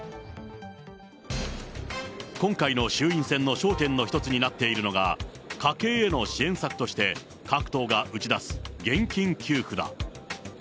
今回の衆院選の焦点の一つになっているのが、家計への支援策として各党が打ち出す、現金給付だ。